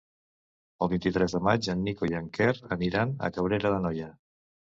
El vint-i-tres de maig en Nico i en Quer aniran a Cabrera d'Anoia.